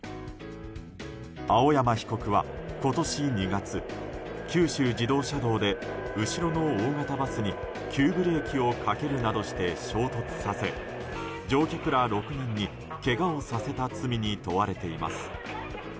青山被告は今年２月九州自動車道で後ろの大型バスに急ブレーキをかけるなどして衝突させ、乗客ら６人にけがをさせた罪に問われています。